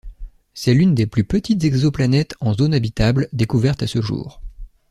C'est l'une des plus petites exoplanètes en zone habitable découvertes à ce jour.